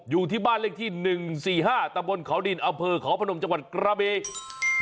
อยู่ที่บ้านเลขที่๑๔๕ตะบนเขาดินอำเภอเขาพนมจังหวัดกระบี